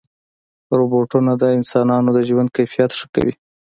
روبوټونه د انسانانو د ژوند کیفیت ښه کوي.